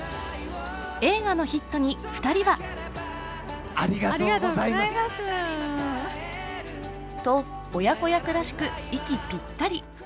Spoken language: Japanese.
映画のヒットに２人はと親子役らしく息ぴったり。